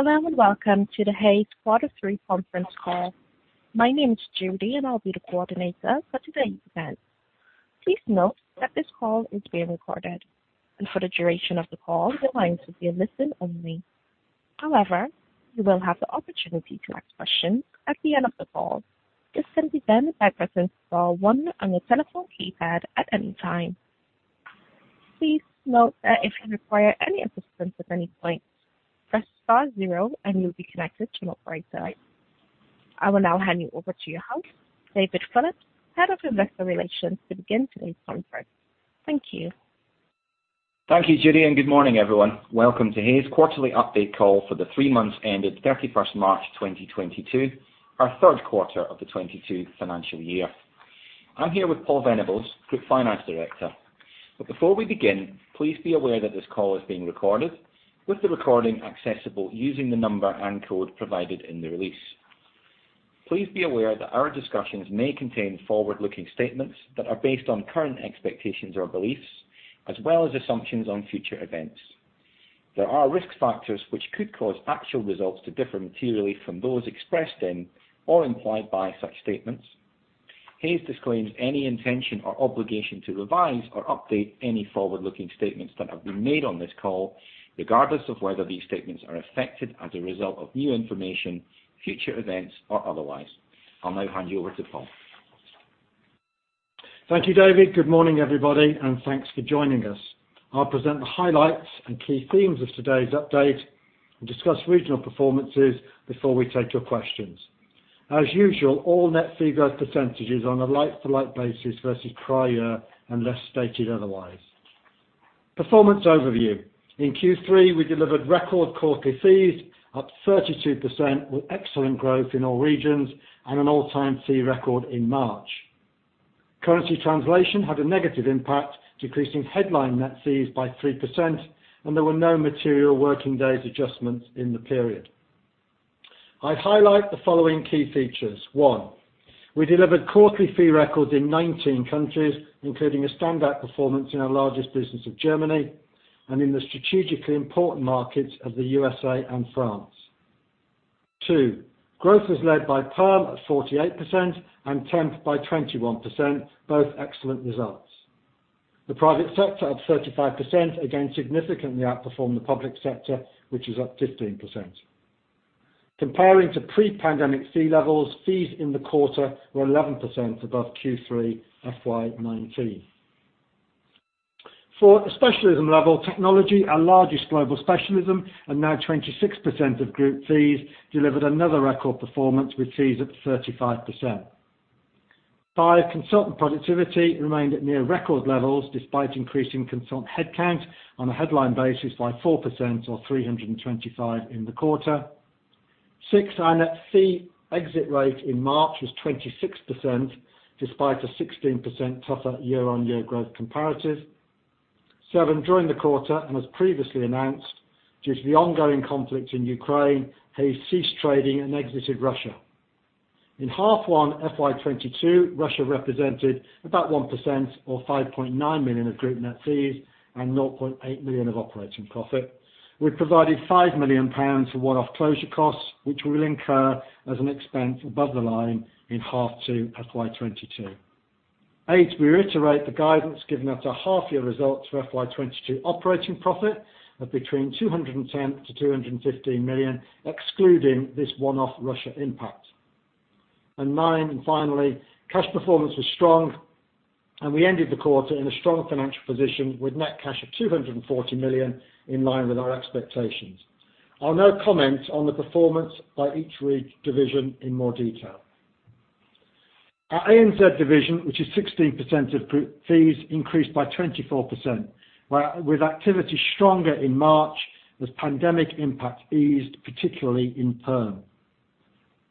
Hello, and welcome to the Hays quarter three conference call. My name is Judy, and I'll be the coordinator for today's event. Please note that this call is being recorded, and for the duration of the call, the lines will be in listen only. However, you will have the opportunity to ask questions at the end of the call. This can be done by pressing star one on your telephone keypad at any time. Please note that if you require any assistance at any point, press star zero and you'll be connected to an operator. I will now hand you over to your host, David Phillips, Head of Investor Relations, to begin today's conference. Thank you. Thank you, Judy, and good morning, everyone. Welcome to Hays quarterly update call for the three months ending March 31, 2022, our third quarter of the 2022 financial year. I'm here with Paul Venables, Group Finance Director. Before we begin, please be aware that this call is being recorded, with the recording accessible using the number and code provided in the release. Please be aware that our discussions may contain forward-looking statements that are based on current expectations or beliefs, as well as assumptions on future events. There are risk factors which could cause actual results to differ materially from those expressed in or implied by such statements. Hays disclaims any intention or obligation to revise or update any forward-looking statements that have been made on this call, regardless of whether these statements are affected as a result of new information, future events, or otherwise. I'll now hand you over to Paul. Thank you, David. Good morning, everybody, and thanks for joining us. I'll present the highlights and key themes of today's update and discuss regional performances before we take your questions. As usual, all net fee growth percentages are on a like-for-like basis versus prior unless stated otherwise. Performance overview. In Q3, we delivered record quarterly fees up 32% with excellent growth in all regions and an all-time fee record in March. Currency translation had a negative impact, decreasing headline net fees by 3%, and there were no material working days adjustments in the period. I highlight the following key features. One, we delivered quarterly fee records in 19 countries, including a standout performance in our largest business of Germany and in the strategically important markets of the USA and France. Two, growth was led by perm at 48% and temp by 21%, both excellent results. The private sector up 35%, again significantly outperformed the public sector, which is up 15%. Comparing to pre-pandemic fee levels, fees in the quarter were 11% above Q3 FY 2019. For a specialism level Technology, our largest global specialism and now 26% of group fees delivered another record performance with fees at 35%. Five, consultant productivity remained at near record levels despite increasing consultant headcount on a headline basis by 4% or 325 in the quarter. Six, our net fee exit rate in March was 26% despite a 16% tougher year-on-year growth comparative. Seven, during the quarter and as previously announced, due to the ongoing conflict in Ukraine, Hays ceased trading and exited Russia. In H1 FY 2022, Russia represented about 1% or 5.9 million of group net fees and 0.8 million of operating profit. We've provided 5 million pounds for one-off closure costs, which we will incur as an expense above the line in H2 FY 2022. Eight, we reiterate the guidance given at the half year results for FY 2022 operating profit of between 210 million-215 million, excluding this one-off Russia impact. Nine, finally, cash performance was strong, and we ended the quarter in a strong financial position with net cash of 240 million in line with our expectations. I'll now comment on the performance by each region in more detail. Our ANZ division, which is 16% of group fees, increased by 24%, with activity stronger in March as pandemic impact eased, particularly in Perm.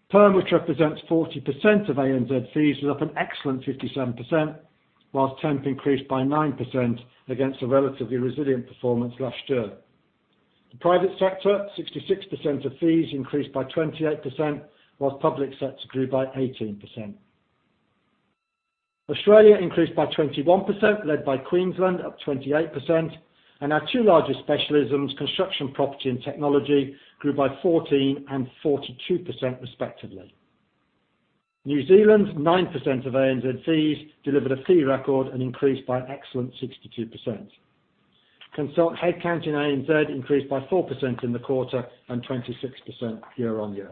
Perm, which represents 40% of ANZ fees, was up an excellent 57%, while Temp increased by 9% against a relatively resilient performance last year. The private sector, 66% of fees, increased by 28%, while public sector grew by 18%. Australia increased by 21%, led by Queensland, up 28%. Our two largest specialisms, Construction & Property and Technology, grew by 14% and 42% respectively. New Zealand, 9% of ANZ fees, delivered a fee record and increased by excellent 62%. Consultant headcount in ANZ increased by 4% in the quarter and 26% year-on-year.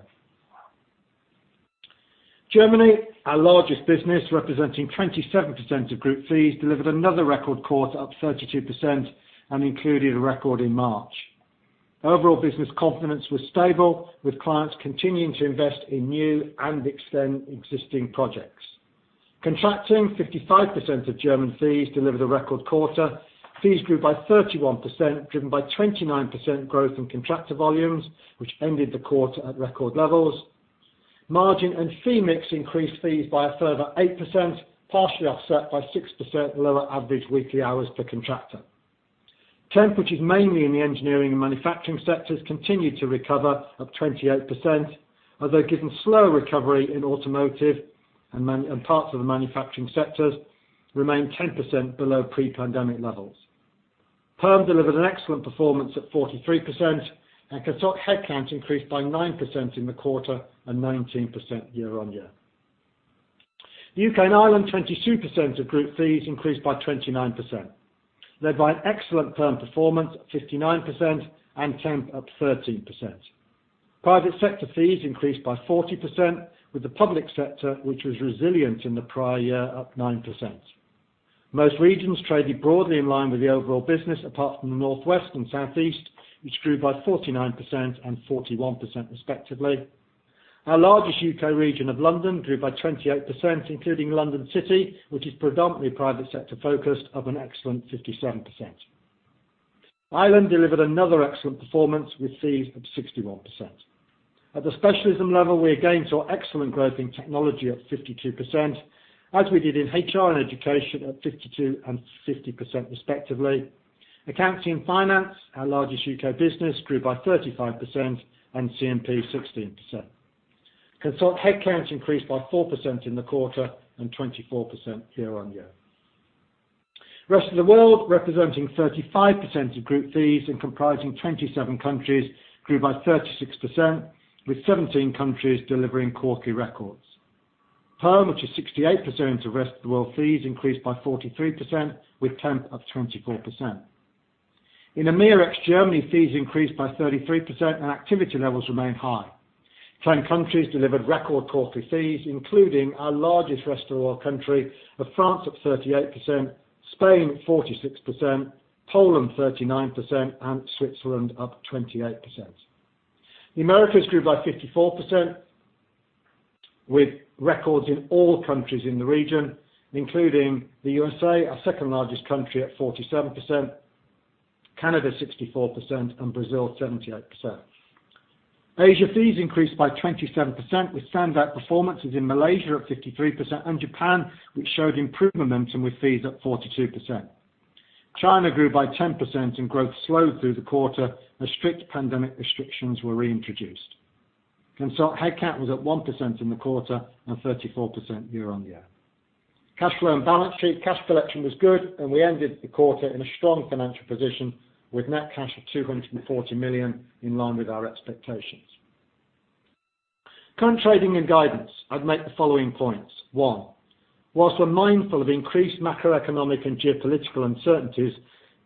Germany, our largest business, representing 27% of group fees, delivered another record quarter up 32% and included a record in March. Overall business confidence was stable, with clients continuing to invest in new and extend existing projects. Contracting, 55% of German fees, delivered a record quarter. Fees grew by 31%, driven by 29% growth in contractor volumes, which ended the quarter at record levels. Margin and fee mix increased fees by a further 8%, partially offset by 6% lower average weekly hours per contractor. Temp, which is mainly in the engineering and manufacturing sectors, continued to recover up 28%. Although, given slower recovery in automotive and parts of the manufacturing sectors, remain 10% below pre-pandemic levels. Perm delivered an excellent performance at 43%, and consultant headcount increased by 9% in the quarter and 19% year-on-year. U.K. and Ireland, 22% of group fees increased by 29%, led by an excellent perm performance of 59% and temp up 13%. Private sector fees increased by 40%, with the public sector, which was resilient in the prior year, up 9%. Most regions traded broadly in line with the overall business, apart from the Northwest and Southeast, which grew by 49% and 41% respectively. Our largest U.K. region of London grew by 28%, including London City, which is predominantly private sector-focused, up an excellent 57%. Ireland delivered another excellent performance with fees of 61%. At the specialism level, we again saw excellent growth in Technology at 52%, as we did in HR and Education at 52% and 50% respectively. Accountancy & Finance, our largest U.K. business, grew by 35%, and C&P 16%. Consultant headcount increased by 4% in the quarter and 24% year-on-year. Rest of World, representing 35% of group fees and comprising 27 countries, grew by 36%, with 17 countries delivering quarterly records. Perm, which is 68% of Rest of World fees, increased by 43%, with temp up 24%. In EMEA, ex-Germany, fees increased by 33%, and activity levels remain high. 10 countries delivered record quarterly fees, including our largest Rest of World country of France at 38%, Spain 46%, Poland 39%, and Switzerland up 28%. The Americas grew by 54%, with records in all countries in the region, including the USA, our second-largest country at 47%, Canada 64%, and Brazil 78%. Asia fees increased by 27% with standout performances in Malaysia at 53% and Japan, which showed improved momentum with fees at 42%. China grew by 10% and growth slowed through the quarter as strict pandemic restrictions were reintroduced. Consultant headcount was at 1% in the quarter and 34% year-on-year. Cash flow and balance sheet. Cash collection was good, and we ended the quarter in a strong financial position with net cash of 240 million in line with our expectations. Current trading and guidance, I'd make the following points. One, while we're mindful of increased macroeconomic and geopolitical uncertainties,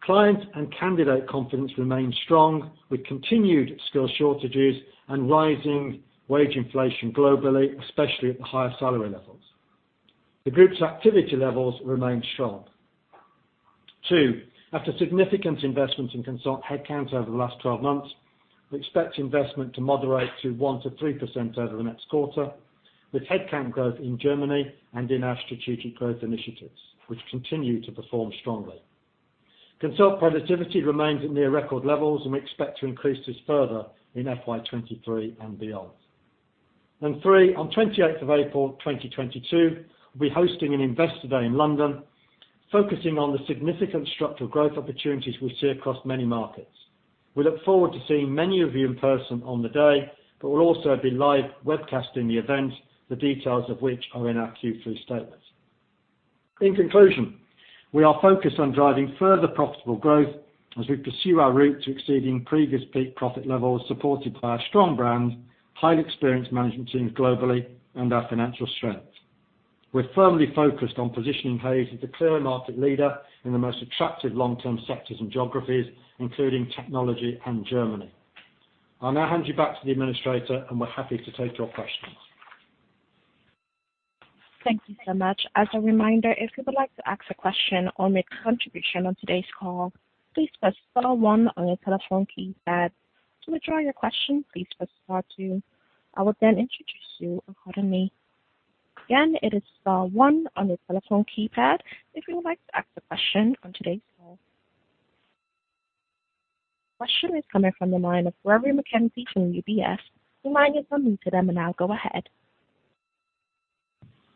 client and candidate confidence remains strong, with continued skill shortages and rising wage inflation globally, especially at the higher salary levels. The group's activity levels remain strong. Two, after significant investments in consultant headcount over the last 12 months, we expect investment to moderate to 1%-3% over the next quarter, with headcount growth in Germany and in our strategic growth initiatives, which continue to perform strongly. Consultant productivity remains at near record levels, and we expect to increase this further in FY 2023 and beyond. Three, on April 28, 2022, we'll be hosting an Investor Day in London focusing on the significant structural growth opportunities we see across many markets. We look forward to seeing many of you in person on the day, but we'll also be live webcasting the event, the details of which are in our Q3 statement. In conclusion, we are focused on driving further profitable growth as we pursue our route to exceeding previous peak profit levels supported by our strong brand, highly experienced management teams globally, and our financial strength. We're firmly focused on positioning Hays as the clear market leader in the most attractive long-term sectors and geographies, including technology and Germany. I'll now hand you back to the administrator, and we're happy to take your questions. Thank you so much. As a reminder, if you would like to ask a question or make a contribution on today's call, please press star one on your telephone keypad. To withdraw your question, please press star two. I will then introduce you accordingly. Again, it is star one on your telephone keypad if you would like to ask a question on today's call. Question is coming from the line of Rory McKenzie from UBS. The line is unmuted, and now go ahead.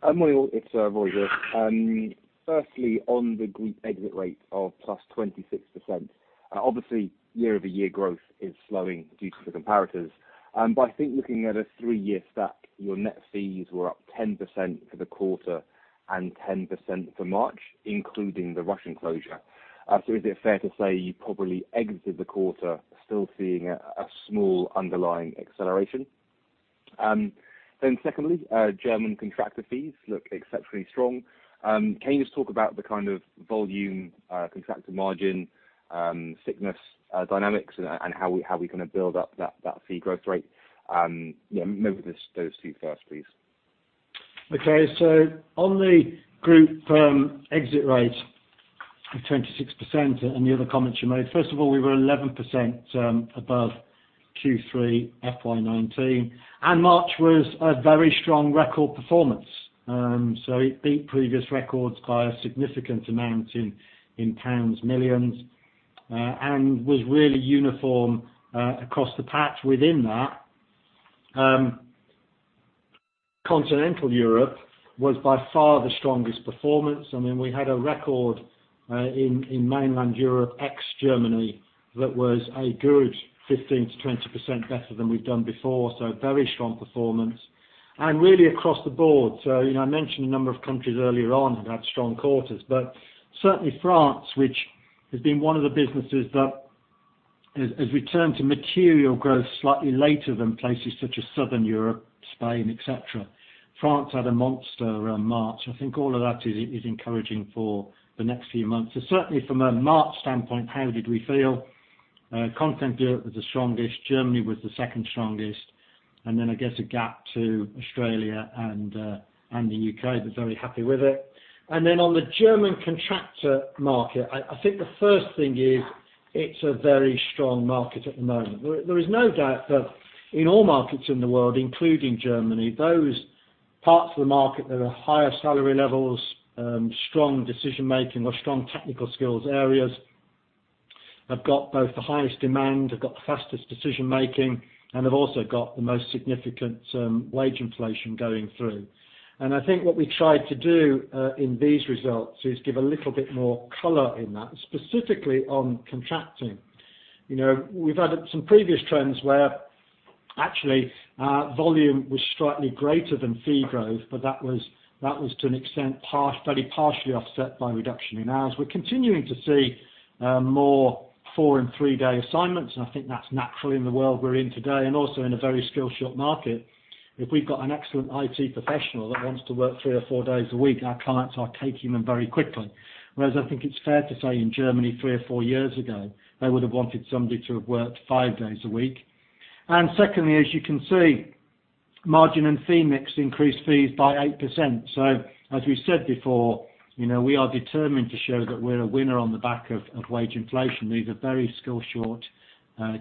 Hi, Morning all. It's Rory. Firstly, on the group exit rate of +26%, obviously year-over-year growth is slowing due to the comparators. I think looking at a three-year stack, your net fees were up 10% for the quarter and 10% for March, including the Russian closure. Is it fair to say you probably exited the quarter still seeing a small underlying acceleration? Secondly, German contractor fees look exceptionally strong. Can you just talk about the kind of volume, contractor margin, sickness dynamics and how we kind of build up that fee growth rate? Yeah, maybe just those two first, please. Okay. On the group fee exit rate of 26% and the other comments you made, first of all, we were 11% above Q3 FY 2019, and March was a very strong record performance. It beat previous records by a significant amount in pounds millions and was really uniform across the patch within that. Continental Europe was by far the strongest performance. I mean, we had a record in mainland Europe, ex-Germany, that was a good 15%-20% better than we've done before, so very strong performance. Really across the board. You know, I mentioned a number of countries earlier on have had strong quarters. Certainly France, which has been one of the businesses that has returned to material growth slightly later than places such as Southern Europe, Spain, et cetera. France had a monster March. I think all of that is encouraging for the next few months. Certainly from a March standpoint, how did we feel? Continental was the strongest, Germany was the second strongest, and then I guess a gap to Australia and the U.K. We're very happy with it. On the German contractor market, I think the first thing is it's a very strong market at the moment. There is no doubt that in all markets in the world, including Germany, those parts of the market that are higher salary levels, strong decision-making or strong technical skills areas have got both the highest demand, have got the fastest decision-making, and have also got the most significant, wage inflation going through. I think what we tried to do in these results is give a little bit more color in that, specifically on contracting. You know, we've had some previous trends where actually our volume was slightly greater than fee growth, but that was to an extent partially offset by reduction in hours. We're continuing to see more four- and three-day assignments, and I think that's natural in the world we're in today and also in a very skill-short market. If we've got an excellent IT professional that wants to work three or four days a week, our clients are taking them very quickly. Whereas I think it's fair to say in Germany three or four years ago, they would have wanted somebody to have worked five days a week. Secondly, as you can see, margin and fee mix increased fees by 8%. As we said before, you know, we are determined to show that we're a winner on the back of wage inflation. These are very skill-short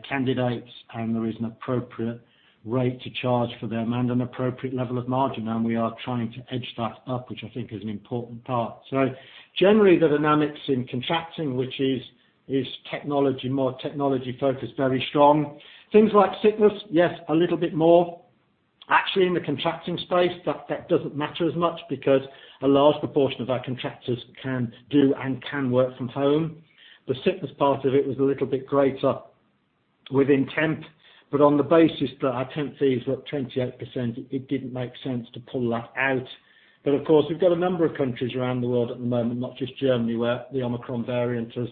candidates, and there is an appropriate rate to charge for them and an appropriate level of margin. We are trying to edge that up, which I think is an important part. Generally, the dynamics in contracting, which is technology, more technology-focused, very strong. Things like sickness, yes, a little bit more. Actually in the contracting space, that doesn't matter as much because a large proportion of our contractors can do and can work from home. The sickness part of it was a little bit greater within temp, but on the basis that our temp fees were up 28%, it didn't make sense to pull that out. Of course, we've got a number of countries around the world at the moment, not just Germany, where the Omicron variant has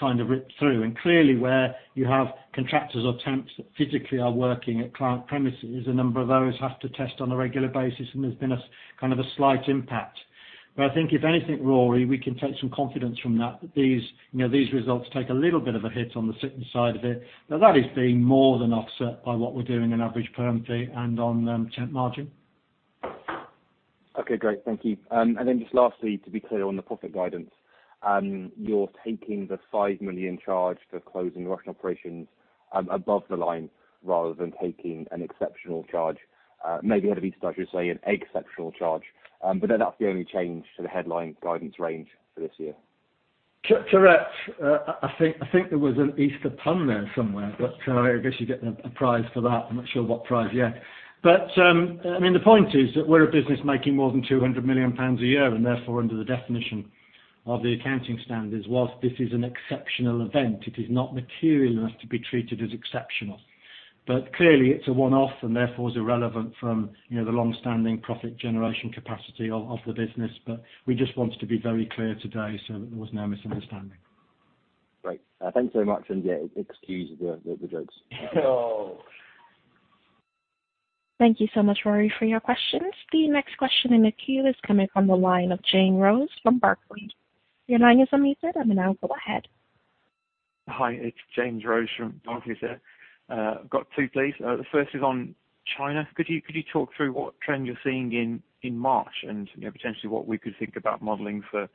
kind of ripped through. Clearly, where you have contractors or temps that physically are working at client premises, a number of those have to test on a regular basis, and there's been a kind of a slight impact. I think if anything, Rory, we can take some confidence from that these, you know, these results take a little bit of a hit on the sickness side of it. Now, that is being more than offset by what we're doing in average perm fee and on temp margin. Okay, great. Thank you. Then just lastly, to be clear on the profit guidance, you're taking the 5 million charge for closing Russian operations, above the line rather than taking an exceptional charge. Maybe out of Easter, I should say an eggceptional charge. Then that's the only change to the headline guidance range for this year. Correct. I think there was an Easter pun there somewhere, but I guess you're getting a prize for that. I'm not sure what prize yet. I mean, the point is that we're a business making more than 200 million pounds a year, and therefore, under the definition of the accounting standards, while this is an exceptional event, it is not material enough to be treated as exceptional. Clearly, it's a one-off and therefore is irrelevant from, you know, the long-standing profit generation capacity of the business. We just wanted to be very clear today so that there was no misunderstanding. Great. Thanks so much. Yeah, excuse the jokes. Thank you so much, Rory, for your questions. The next question in the queue is coming from the line of James Rose from Barclays. Your line is unmuted, and now go ahead. Hi, it's James Rose from Barclays here. I've got two, please. The first is on China. Could you talk through what trend you're seeing in March and, you know, potentially what we could think about modeling for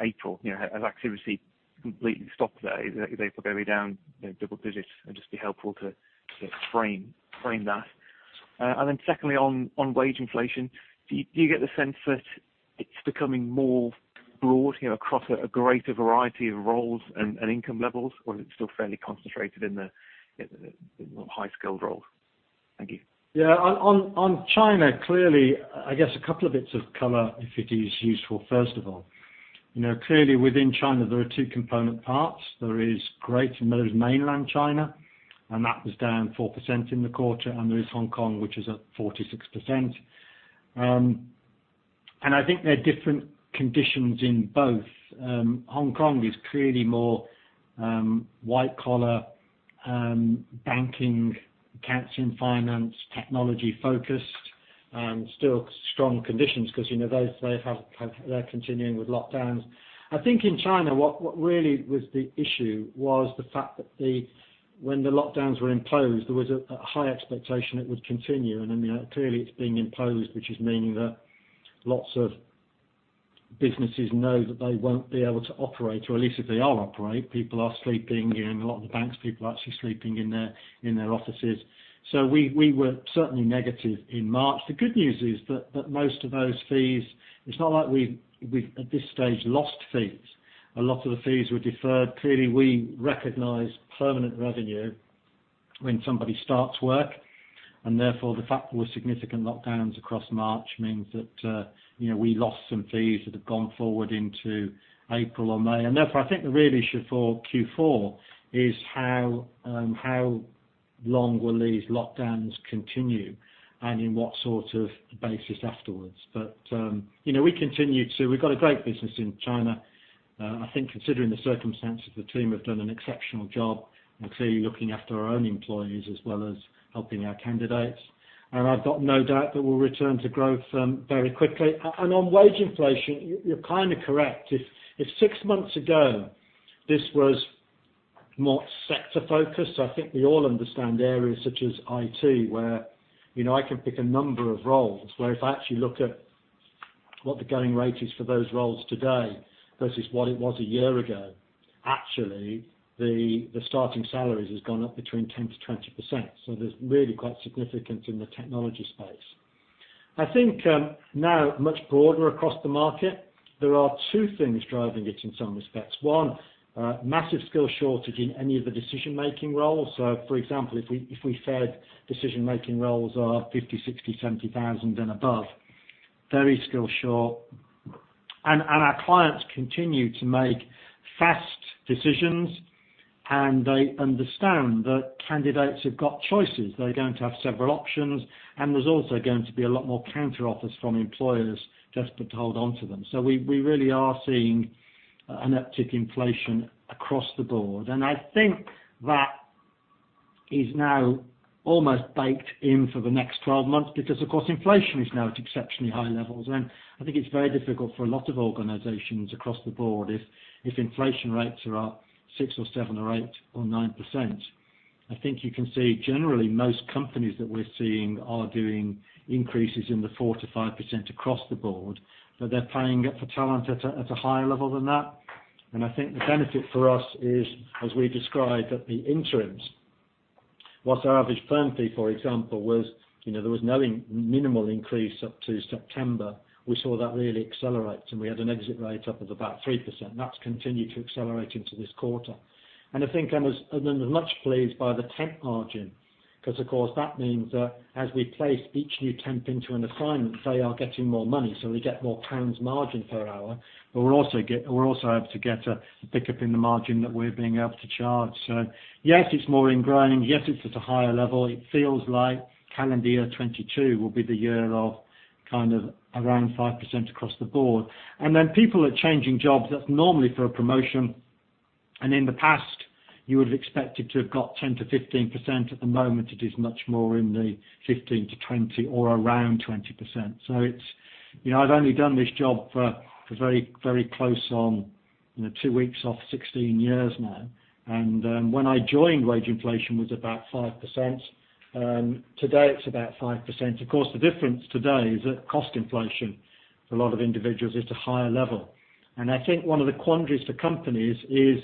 April? You know, has activity completely stopped there? Is it probably down, you know, double digits? It'd just be helpful to frame that. And then secondly, on wage inflation, do you get the sense that it's becoming more broad, you know, across a greater variety of roles and income levels, or is it still fairly concentrated in the more high-skilled roles? Thank you. On China, clearly, I guess a couple of bits of color if it is useful, first of all. You know, clearly within China, there are two component parts. There is Mainland China, and that was down 4% in the quarter, and there is Hong Kong, which is at 46%. I think there are different conditions in both. Hong Kong is clearly more white-collar, banking, accounts and finance, technology-focused. Still strong conditions because, you know, they're continuing with lockdowns. I think in China, what really was the issue was the fact that when the lockdowns were imposed, there was a high expectation it would continue. You know, clearly it's being imposed, which is meaning that lots of businesses know that they won't be able to operate, or at least if they do operate, people are sleeping. You know, in a lot of the banks, people are actually sleeping in their offices. We were certainly negative in March. The good news is that most of those fees, it's not like we've at this stage lost fees. A lot of the fees were deferred. Clearly, we recognize permanent revenue when somebody starts work, and therefore the fact there were significant lockdowns across March means that, you know, we lost some fees that have gone forward into April or May. Therefore, I think the real issue for Q4 is how long will these lockdowns continue and on what sort of basis afterwards. We've got a great business in China. I think considering the circumstances, the team have done an exceptional job, clearly looking after our own employees as well as helping our candidates. I've got no doubt that we'll return to growth very quickly. On wage inflation, you're kind of correct. If six months ago, this was more sector-focused, I think we all understand areas such as IT, where you know, I can pick a number of roles where if I actually look at what the going rate is for those roles today versus what it was a year ago, actually the starting salaries has gone up between 10%-20%. So there's really quite significant in the technology space. I think now much broader across the market, there are two things driving it in some respects. A massive skill shortage in any of the decision-making roles. For example, if we said decision-making roles are 50 thousand, 60 thousand, 70 thousand and above, very skill short. Our clients continue to make fast decisions, and they understand that candidates have got choices. They're going to have several options, and there's also going to be a lot more counter offers from employers desperate to hold onto them. We really are seeing an uptick in inflation across the board. I think that is now almost baked in for the next 12 months because, of course, inflation is now at exceptionally high levels. I think it's very difficult for a lot of organizations across the board if inflation rates are up 6% or 7% or 8% or 9%. I think you can see generally most companies that we're seeing are doing increases in the 4%-5% across the board, but they're paying for talent at a higher level than that. I think the benefit for us is, as we described at the interims, what our average Perm fee, for example, was, you know, there was nothing, minimal increase up to September. We saw that really accelerate, and we had an exit rate up of about 3%. That's continued to accelerate into this quarter. I think Emma's much pleased by the Temp margin because, of course, that means that as we place each new temp into an assignment, they are getting more money, so we get more pounds margin per hour. We're also able to get a pickup in the margin that we're being able to charge. Yes, it's more ingrained. Yes, it's at a higher level. It feels like calendar year 2022 will be the year of kind of around 5% across the board. Then people are changing jobs, that's normally for a promotion. In the past, you would have expected to have got 10%-15%. At the moment, it is much more in the 15%-20% or around 20%. It's you know, I've only done this job for very close on, you know, two weeks off 16 years now. When I joined, wage inflation was about 5%. Today it's about 5%. Of course, the difference today is that cost inflation for a lot of individuals is to higher level. I think one of the quandaries for companies is,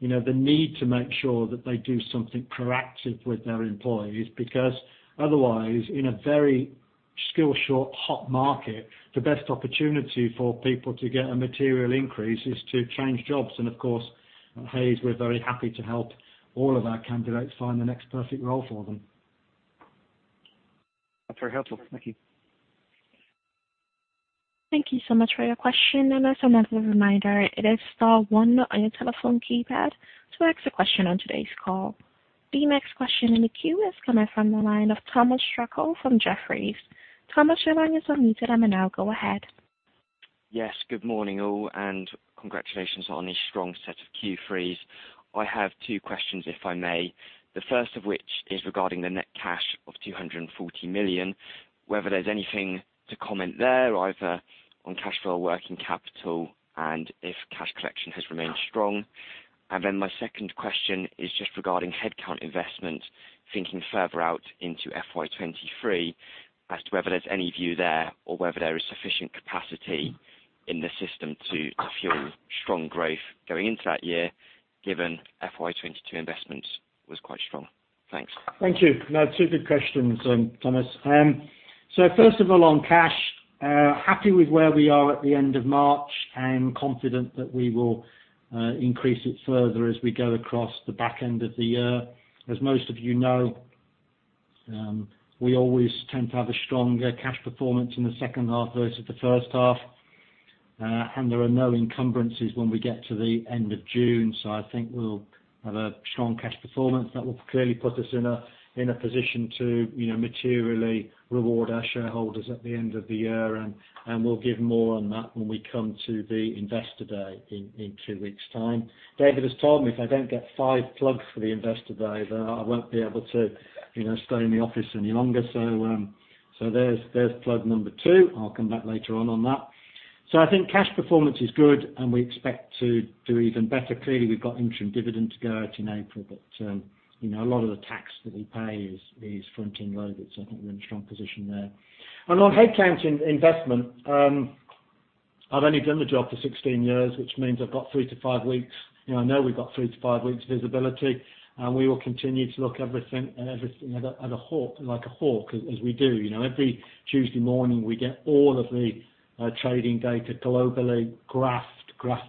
you know, the need to make sure that they do something proactive with their employees, because otherwise, in a very skill short, hot market, the best opportunity for people to get a material increase is to change jobs. Of course, at Hays, we're very happy to help all of our candidates find the next perfect role for them. That's very helpful. Thank you. Thank you so much for your question. As another reminder, it is star one on your telephone keypad to ask a question on today's call. The next question in the queue is coming from the line of Thomas Shacker from Jefferies. Thomas, your line is unmuted, and now go ahead. Yes, good morning, all, and congratulations on a strong set of Q3s. I have two questions, if I may. The first of which is regarding the net cash of 240 million, whether there's anything to comment there, either on cash flow, working capital and if cash collection has remained strong. My second question is just regarding headcount investment, thinking further out into FY 2023, as to whether there's any view there or whether there is sufficient capacity in the system to fuel strong growth going into that year, given FY 2022 investment was quite strong. Thanks. Thank you. No, two good questions, Thomas. First of all, on cash, happy with where we are at the end of March and confident that we will increase it further as we go across the back end of the year. As most of you know, we always tend to have a stronger cash performance in the second half versus the first half. There are no encumbrances when we get to the end of June, so I think we'll have a strong cash performance that will clearly put us in a position to, you know, materially reward our shareholders at the end of the year, and we'll give more on that when we come to the Investor Day in two weeks' time. David has told me if I don't get five plugs for the Investor Day, then I won't be able to, you know, stay in the office any longer. There's plug number two. I'll come back later on that. I think cash performance is good, and we expect to do even better. Clearly, we've got interim dividend to go out in April, but you know, a lot of the tax that we pay is front-end loaded, so I think we're in a strong position there. On headcount investment, I've only done the job for 16 years, which means I've got three-five weeks. You know, I know we've got three-five weeks visibility, and we will continue to look at everything like a hawk as we do. You know, every Tuesday morning, we get all of the trading data globally graphed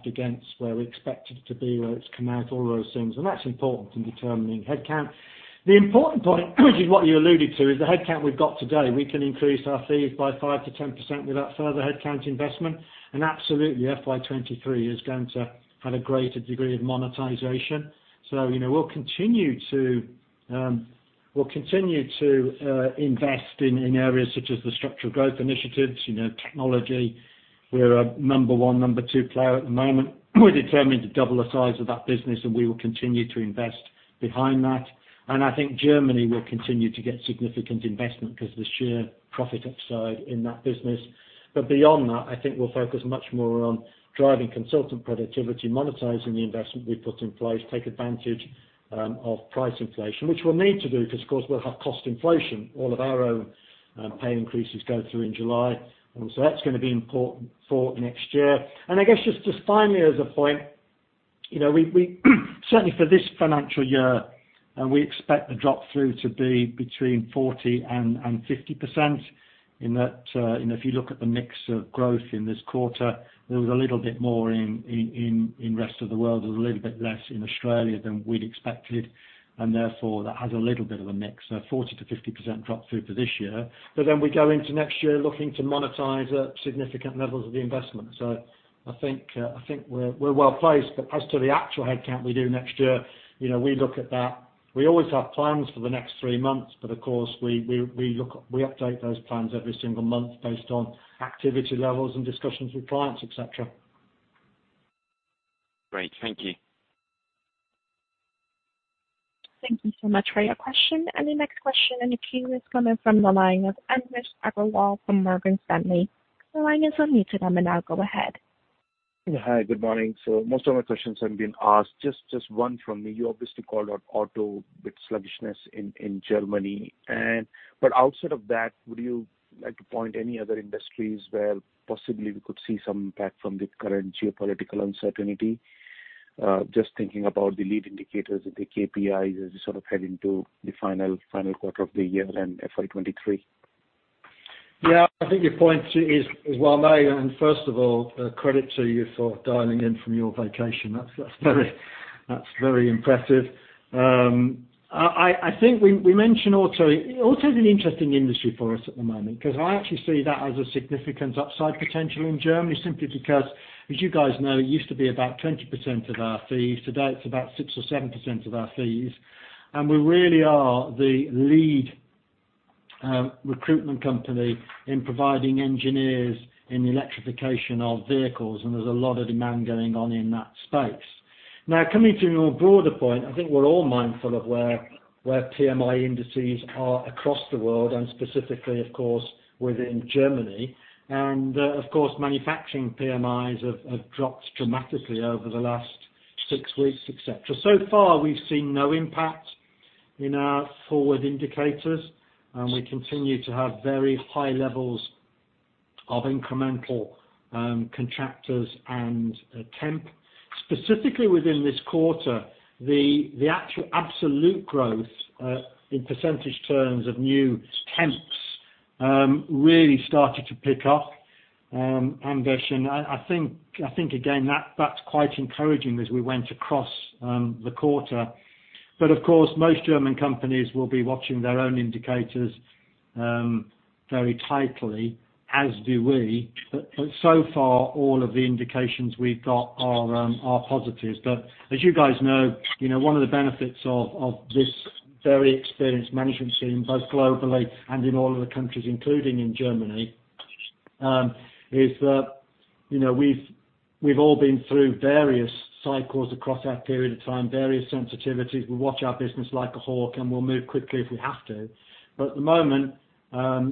against where we expect it to be, where it's come out, all those things. That's important in determining headcount. The important point, which is what you alluded to, is the headcount we've got today. We can increase our fees by 5%-10% without further headcount investment. Absolutely, FY 2023 is going to have a greater degree of monetization. You know, we'll continue to invest in areas such as the structural growth initiatives, you know, technology. We're a number one, number two player at the moment. We're determined to double the size of that business, and we will continue to invest behind that. I think Germany will continue to get significant investment because the sheer profit upside in that business. Beyond that, I think we'll focus much more on driving consultant productivity, monetizing the investment we've put in place, take advantage of price inflation, which we'll need to do because, of course, we'll have cost inflation. All of our own pay increases go through in July, and so that's gonna be important for next year. I guess just finally as a point, you know, we certainly for this financial year, and we expect the drop-through to be between 40% and 50% in that, you know, if you look at the mix of growth in this quarter, there was a little bit more in rest of the world. There was a little bit less in Australia than we'd expected, and therefore, that has a little bit of a mix. 40%-50% drop-through for this year. We go into next year looking to monetize at significant levels of the investment. I think we're well-placed. As to the actual headcount we do next year, you know, we look at that. We always have plans for the next three months, but of course, we look, we update those plans every single month based on activity levels and discussions with clients, et cetera. Great. Thank you. Thank you so much for your question. The next question in the queue is coming from the line of Anvesh Agrawal from Morgan Stanley. The line is unmuted, and may now go ahead. Hi. Good morning. Most of my questions have been asked. Just one from me. You obviously called out auto with sluggishness in Germany and outside of that, would you like to point any other industries where possibly we could see some impact from the current geopolitical uncertainty. Just thinking about the leading indicators of the KPIs as you sort of head into the final quarter of the year and FY 2023. Yeah. I think your point is well made. First of all, credit to you for dialing in from your vacation. That's very impressive. I think we mentioned auto. Auto is an interesting industry for us at the moment because I actually see that as a significant upside potential in Germany simply because, as you guys know, it used to be about 20% of our fees. Today, it's about 6% or 7% of our fees. We really are the lead recruitment company in providing engineers in the electrification of vehicles, and there's a lot of demand going on in that space. Now, coming to your broader point, I think we're all mindful of where PMI indices are across the world and specifically of course within Germany. Of course, manufacturing PMIs have dropped dramatically over the last six weeks, et cetera. So far, we've seen no impact in our forward indicators, and we continue to have very high levels of incremental contractors and temp. Specifically within this quarter, the actual absolute growth in percentage terms of new temps really started to pick up, Anvesh. I think again, that's quite encouraging as we went across the quarter. Of course, most German companies will be watching their own indicators very tightly, as do we. So far, all of the indications we've got are positive. As you guys know, you know, one of the benefits of this very experienced management team, both globally and in all of the countries, including in Germany, is that, you know, we've all been through various cycles across our period of time, various sensitivities. We watch our business like a hawk, and we'll move quickly if we have to. At the moment,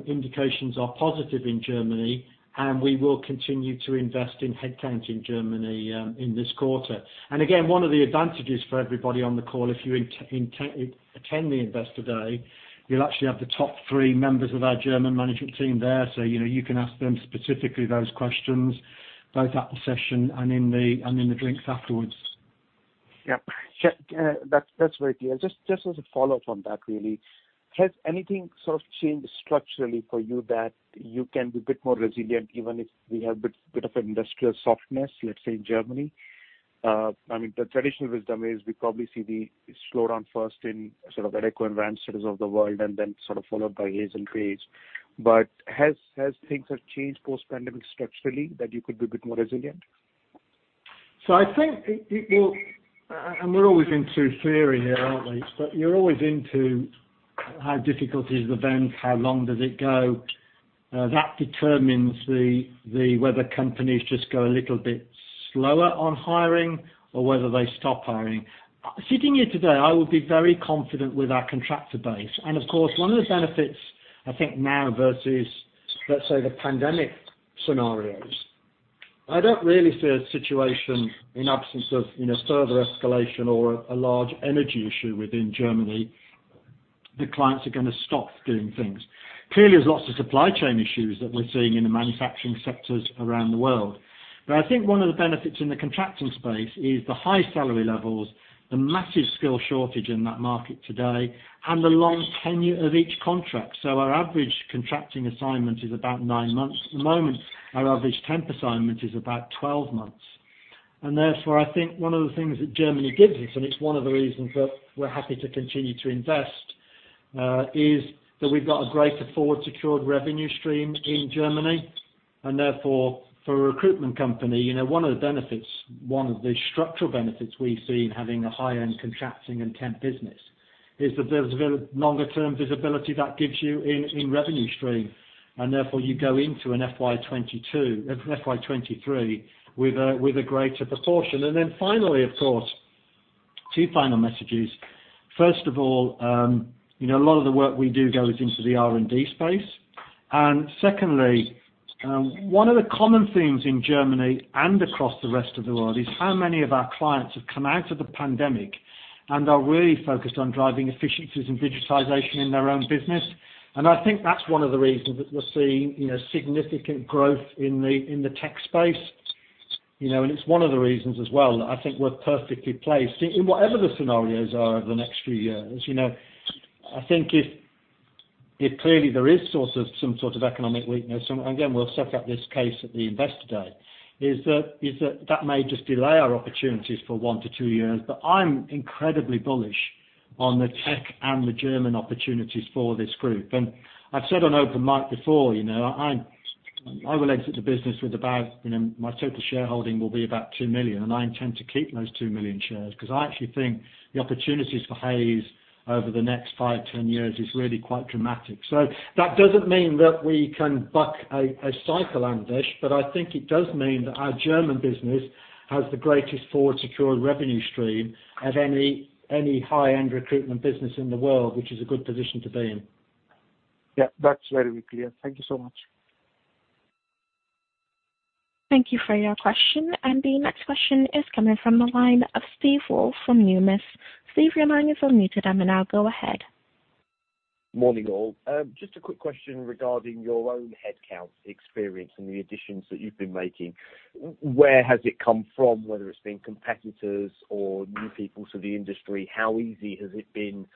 indications are positive in Germany, and we will continue to invest in headcount in Germany, in this quarter. Again, one of the advantages for everybody on the call, if you attend the Investor Day, you'll actually have the top three members of our German management team there. You know, you can ask them specifically those questions both at the session and in the drinks afterwards. Yep. Sure. That's very clear. Just as a follow-up on that really, has anything sort of changed structurally for you that you can be a bit more resilient even if we have a bit of an industrial softness, let's say, in Germany? I mean, the traditional wisdom is we probably see the slowdown first in sort of the Adecco and Randstad cities of the world and then sort of followed by Hays. Have things changed post-pandemic structurally that you could be a bit more resilient? I think it will. We're always into theory here, aren't we? You're always into how difficult the event is, how long does it go. That determines whether companies just go a little bit slower on hiring or whether they stop hiring. Sitting here today, I would be very confident with our contractor base. Of course, one of the benefits I think now versus, let's say, the pandemic scenarios, I don't really see a situation in absence of, you know, further escalation or a large energy issue within Germany, the clients are gonna stop doing things. Clearly, there's lots of supply chain issues that we're seeing in the manufacturing sectors around the world. I think one of the benefits in the contracting space is the high salary levels, the massive skill shortage in that market today, and the long tenure of each contract. Our average contracting assignment is about nine months. At the moment, our average temp assignment is about 12 months. Therefore, I think one of the things that Germany gives us, and it's one of the reasons that we're happy to continue to invest, is that we've got a greater forward secured revenue stream in Germany. Therefore, for a recruitment company, you know, one of the benefits, one of the structural benefits we've seen having a high-end contracting and temp business, is that there's a longer term visibility that gives you in revenue stream, and therefore you go into an FY 2023 with a greater proportion. Then finally, of course, two final messages. First of all, you know, a lot of the work we do goes into the R&D space. Secondly, one of the common themes in Germany and across the rest of the world is how many of our clients have come out of the pandemic and are really focused on driving efficiencies and digitization in their own business. I think that's one of the reasons that we're seeing, you know, significant growth in the tech space. You know, it's one of the reasons as well, I think we're perfectly placed. In whatever the scenarios are over the next few years, you know, I think if clearly there is some sort of economic weakness, and again, we'll set out this case at the Investor Day, that may just delay our opportunities for one-two years. I'm incredibly bullish on the tech and the German opportunities for this group. I've said on Open Mic before, you know, I will exit the business with about, you know, my total shareholding will be about 2 million, and I intend to keep those 2 million shares, 'cause I actually think the opportunities for Hays over the next five, 10 years is really quite dramatic. that doesn't mean that we can buck a cycle, Anders, but I think it does mean that our German business has the greatest forward secured revenue stream of any high-end recruitment business in the world, which is a good position to be in. Yeah. That's very clear. Thank you so much. Thank you for your question. The next question is coming from the line of Steve Woolf from Numis. Steve, your line is unmuted, and now go ahead. Morning, all. Just a quick question regarding your own headcount experience and the additions that you've been making. Where has it come from, whether it's been competitors or new people to the industry? How easy has it been,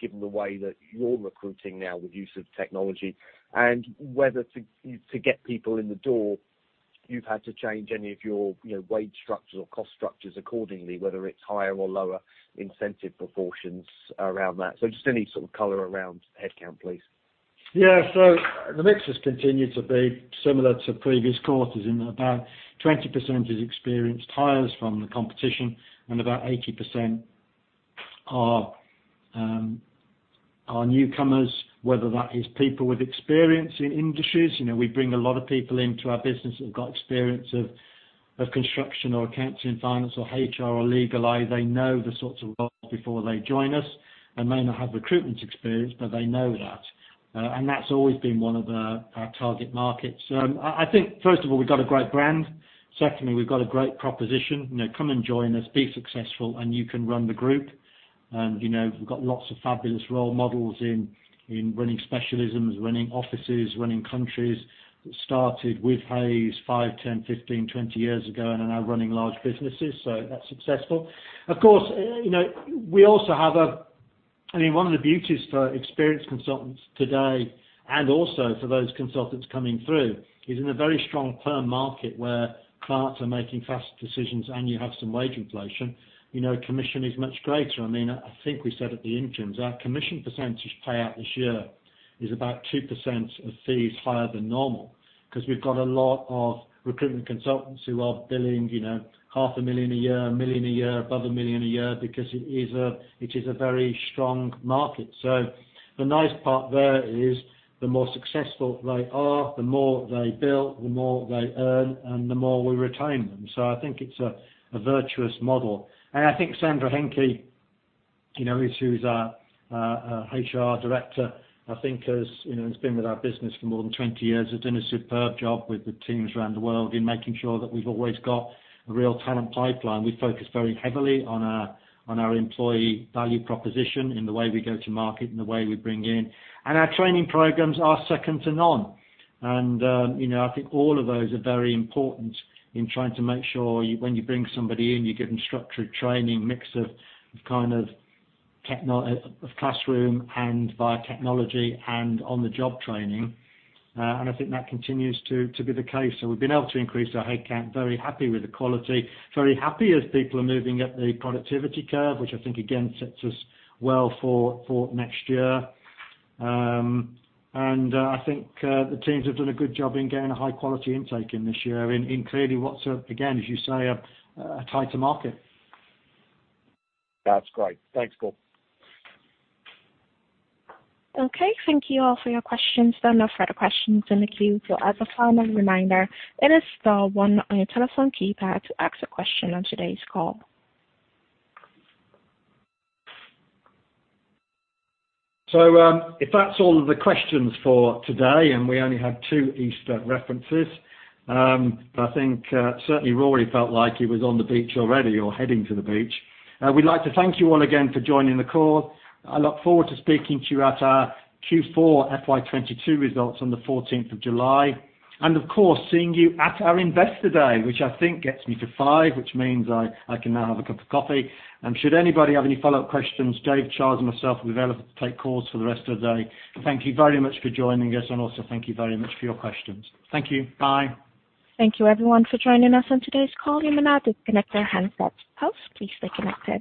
given the way that you're recruiting now with use of technology? Whether to get people in the door, you've had to change any of your, you know, wage structures or cost structures accordingly, whether it's higher or lower incentive proportions around that? Just any sort of color around headcount, please. Yeah. The mix has continued to be similar to previous quarters in about 20% is experienced hires from the competition, and about 80% are newcomers, whether that is people with experience in industries. You know, we bring a lot of people into our business who've got experience of construction or accounts and finance or HR or legal. They know the sorts of roles before they join us and may not have recruitment experience but they know that. And that's always been one of our target markets. I think first of all we've got a great brand. Secondly, we've got a great proposition. You know, come and join us, be successful, and you can run the group. You know, we've got lots of fabulous role models in running specialisms, running offices, running countries that started with Hays five, 10, 15, 20 years ago and are now running large businesses, so that's successful. Of course, you know, we also have. I mean, one of the beauties for experienced consultants today, and also for those consultants coming through, is in a very strong perm market where clients are making fast decisions and you have some wage inflation, you know, commission is much greater. I mean, I think we said at the interims our commission percentage payout this year is about 2% of fees higher than normal, 'cause we've got a lot of recruitment consultants who are billing, you know, 500 million a year, 1 million a year, above 1 million a year because it is a very strong market. The nice part there is the more successful they are, the more they bill, the more they earn, and the more we retain them. I think it's a virtuous model. I think Sandra Henke, you know, who's our HR director, you know, has been with our business for more than 20 years, has done a superb job with the teams around the world in making sure that we've always got a real talent pipeline. We focus very heavily on our employee value proposition in the way we go to market and the way we bring in. Our training programs are second to none. You know, I think all of those are very important in trying to make sure when you bring somebody in you give them structured training, mix of kind of classroom and via technology and on-the-job training. I think that continues to be the case. We've been able to increase our headcount, very happy with the quality, very happy as people are moving up the productivity curve, which I think again sets us well for next year. I think the teams have done a good job in getting a high quality intake in this year in clearly what's a again, as you say, a tighter market. That's great. Thanks, Paul. Okay. Thank you all for your questions. There are no further questions in the queue. As a final reminder, it is star one on your telephone keypad to ask a question on today's call. If that's all of the questions for today, and we only had two Easter references, but I think certainly Rory felt like he was on the beach already or heading to the beach. We'd like to thank you all again for joining the call. I look forward to speaking to you at our Q4 FY 2022 results on the July 14, 2022. Of course, seeing you at our Investor Day, which I think gets me to five, which means I can now have a cup of coffee. Should anybody have any follow-up questions, Dave, Charles, and myself will be available to take calls for the rest of the day. Thank you very much for joining us and also thank you very much for your questions. Thank you. Bye. Thank you everyone for joining us on today's call. You may now disconnect your handsets. Folks, please reconnect it.